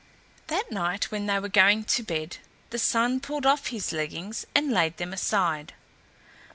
That night when they were going to bed the Sun pulled off his leggings, and laid them aside.